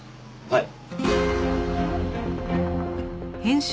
はい。